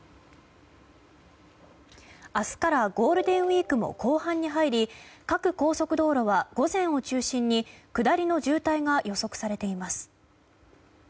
明日からゴールデンウィークも後半に入り各高速道路は午前を中心に下りの渋滞が予測されています。